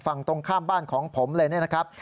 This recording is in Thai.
ฝั่งตรงข้ามบ้านของผมเลยเนี่ยนะครับ